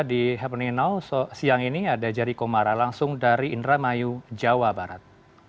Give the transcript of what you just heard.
di happening now siang ini ada jerry komara langsung dari indramayu jawa barat